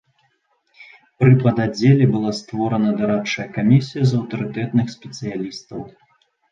Пры пададдзеле была створана дарадчая камісія з аўтарытэтных спецыялістаў.